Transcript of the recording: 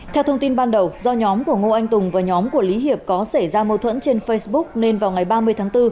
theo thông tin ban đầu do nhóm của ngô anh tùng và nhóm của lý hiệp có xảy ra mâu thuẫn trên facebook nên vào ngày ba mươi tháng bốn